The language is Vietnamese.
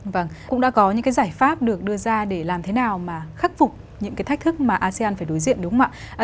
vâng cũng đã có những cái giải pháp được đưa ra để làm thế nào mà khắc phục những cái thách thức mà asean phải đối diện đúng không ạ